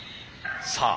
さあ